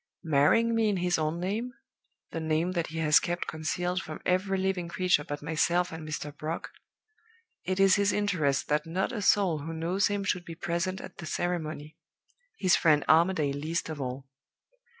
Marrying me in his own name the name that he has kept concealed from every living creature but myself and Mr. Brock it is his interest that not a soul who knows him should be present at the ceremony; his friend Armadale least of all.